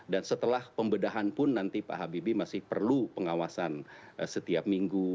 dan setelah pembedahan pun nanti pak habibie masih perlu pengawasan setiap minggu